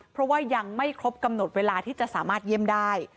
เพราะว่ายังไม่ครบกำหนดเวลาที่จะสามารถเยี่ยมได้